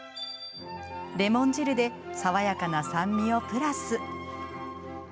レモン汁で爽やかな酸味をプラス。